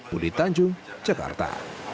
budi tanjung jakarta